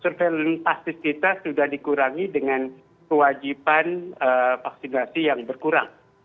surveillance pasti kita sudah dikurangi dengan kewajiban vaksinasi yang berkurang